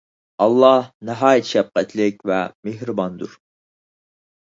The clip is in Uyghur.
ئاللاھ ناھايتى شەپقەتلىك ۋە مېھرىباندۇر